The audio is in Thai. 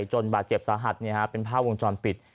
จนบาดเจ็บสาหัสเป็นภาพวงจรปิด